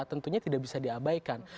tentunya tidak bisa diabaikan